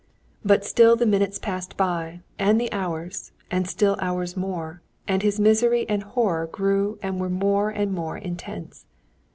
But still the minutes passed by and the hours, and still hours more, and his misery and horror grew and were more and more intense.